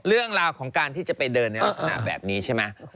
เรื่องราวของการที่จะไปเดินในลักษณะแบบนี้ใช่ไหม